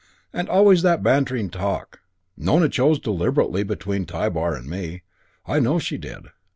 And always that bantering talk. Nona chose deliberately between Tybar and me. I know she did.